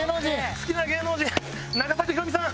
好きな芸能人永作博美さん。